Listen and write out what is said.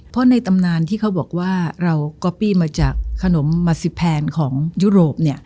เพราะในตำนานที่เขาบอกว่าเราก๊อปปี้มาจากขนมมาซิแพนของยุโรป